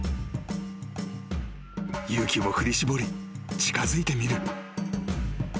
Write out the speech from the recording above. ［勇気を振り絞り近づいてみる］